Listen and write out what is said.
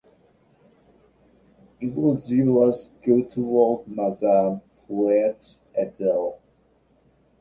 "It will do us good to walk, madame," pleaded Adele.